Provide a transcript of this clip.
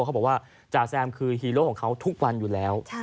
เขาบอกว่าจ่าแซมคือฮีโร่ของเขาทุกวันอยู่แล้ว